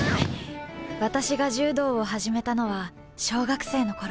私が柔道を始めたのは小学生の頃。